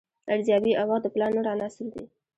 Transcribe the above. ارزیابي او وخت د پلان نور عناصر دي.